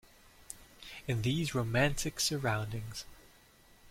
In these romantic surroundings.